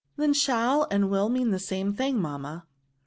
^^ Then, shaU and will medn the same thing, mamma."